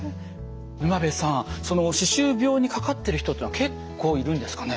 沼部さん歯周病にかかってる人ってのは結構いるんですかね？